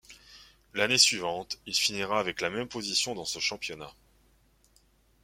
L'année suivante, il finira avec la même position dans ce championnat.